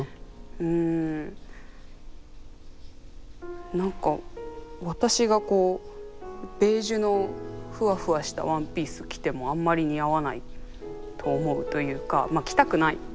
うん何か私がこうベージュのふわふわしたワンピース着てもあんまり似合わないと思うというかまっ着たくない。